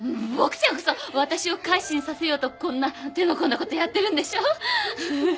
ボクちゃんこそ私を改心させようとこんな手の込んだことやってるんでしょ？